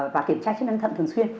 và kiểm tra chức năng thận thường xuyên